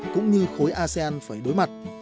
đối với asean phải đối mặt